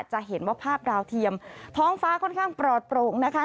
จะเห็นว่าภาพดาวเทียมท้องฟ้าค่อนข้างปลอดโปร่งนะคะ